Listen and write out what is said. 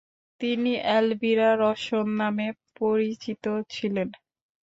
তিনি এলভিরা রসন নামে পরিচিত ছিলেন।